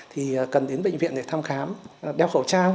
thì cần đến bệnh viện để thăm khám đeo khẩu trang